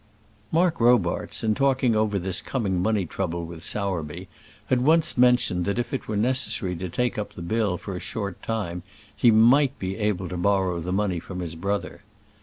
Mark Robarts, in talking over this coming money trouble with Sowerby, had once mentioned that if it were necessary to take up the bill for a short time he might be able to borrow the money from his brother.